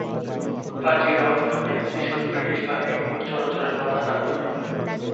বাজি রাউত নামে এক কিশোর ব্রিটিশ বাহিনীর নৌ-চলাচলের বাধা দান করে।